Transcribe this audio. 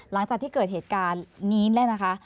หลังจากที่เกิดเหตุการณ์นี้เนี่ยนะคะ